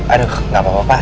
aduh gak apa apa pak